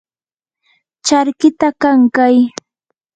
charkita kankay.